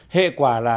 hệ quả là